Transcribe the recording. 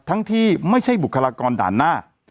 ที่ไม่ใช่บุคลากรด่านหน้า